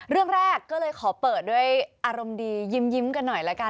เรื่องแรกก็เลยขอเปิดด้วยอารมณ์ดียิ้มกันหน่อยละกัน